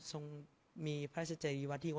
สงฆาตเจริญสงฆาตเจริญ